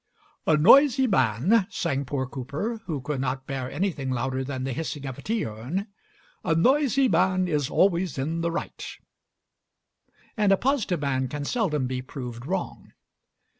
"A noisy man," sang poor Cowper, who could not bear anything louder than the hissing of a tea urn, "a noisy man is always in the right," and a positive man can seldom be proved wrong.